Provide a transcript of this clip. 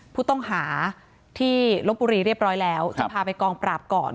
ผู้ต้องหาที่ลบบุรีเรียบร้อยแล้วจะพาไปกองปราบก่อน